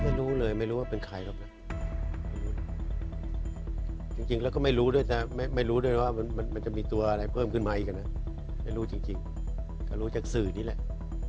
ไม่รู้เลยไม่รู้ว่าเป็นใครหรอกนะจริงแล้วก็ไม่รู้ด้วยนะไม่รู้ด้วยว่ามันจะมีตัวอะไรเพิ่มขึ้นมาอีกนะไม่รู้จริงก็รู้จากสื่อนี่แหละ